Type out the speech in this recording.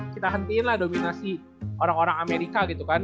kita hentiinlah dominasi orang orang amerika gitu kan